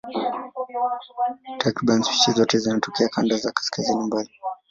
Takriban spishi zote zinatokea kanda za kaskazini mbali.